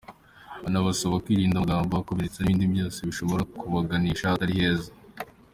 Anabasaba kwirinda amagambo akomeretsa n’ibindi byose bishobora kubaganisha ahatari heza.